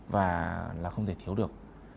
và là không thể thiếu được